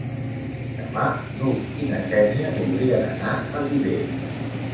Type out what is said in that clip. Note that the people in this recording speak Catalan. Demà n'Hug i na Xènia voldrien anar a Viver.